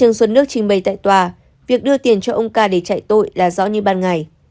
trương xuân nước trình bày tại tòa việc đưa tiền cho ông ca để chạy tội là rõ như ban ngày